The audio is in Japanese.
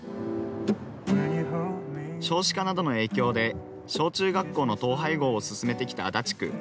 少子化などの影響で、小中学校の統廃合を進めてきた足立区。